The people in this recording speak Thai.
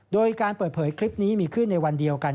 โดยการเปิดเผยคลิปนี้มีขึ้นในวันเดียวกัน